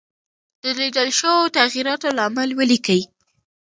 د لیدل شوو تغیراتو لامل ولیکئ.